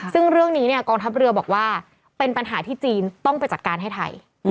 ซึ่งเรื่องนี้เนี่ยกองทัพเรือบอกว่าเป็นปัญหาที่จีนต้องไปจัดการให้ไทย